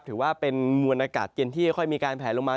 ถือว่าเป็นมวลอากาศเย็นที่ค่อยมีการแผลลงมา